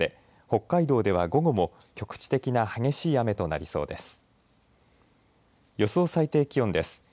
北海道では午後も局地的な激しい雨となりそうです。